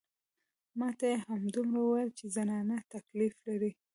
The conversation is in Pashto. ما ته يې همدومره وويل چې زنانه تکليف لري.